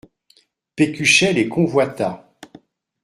Pécuchet les convoita.